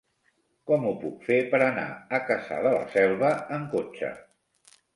Com ho puc fer per anar a Cassà de la Selva amb cotxe?